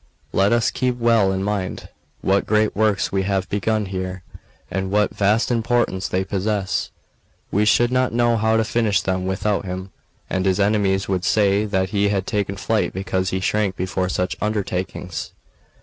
Let us keep well in mind what great works we have begun here, and what vast importance they possess; we should not know how to finish them without him, and his enemies would say that he had taken flight because he shrank before such undertakings."